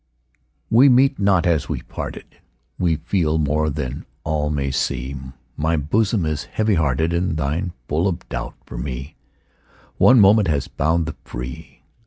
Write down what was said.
We meet not as we parted, We feel more than all may see; My bosom is heavy hearted, And thine full of doubt for me: One moment has bound the free.